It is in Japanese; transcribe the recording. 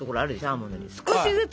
アーモンドに少しずつ。